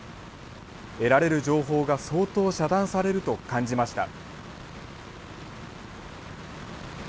得られる情報が相当遮断されると感じました。